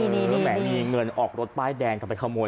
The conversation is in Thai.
มีแหมมีเงินออกรถป้ายแดงกลับไปขโมย